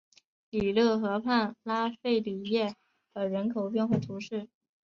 里勒河畔拉费里耶尔人口变化图示